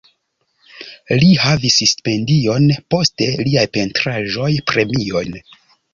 Li havis stipendion, poste liaj pentraĵoj premiojn.